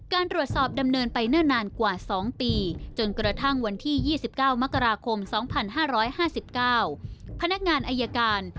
การตรวจสอบดำเนินไปเนิ่นนานกว่า๒ปีจนกระทั่งวันที่๒๙มกราคม๒๕๕๙พนักงานอายการ